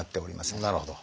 なるほど。